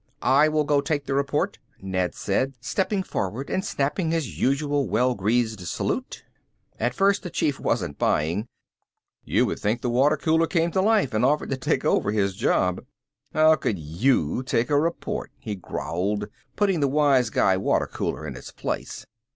"I will go take the report," Ned said, stepping forward and snapping his usual well greased salute. At first the Chief wasn't buying. You would think the water cooler came to life and offered to take over his job. "How could you take a report?" he growled, putting the wise guy water cooler in its place.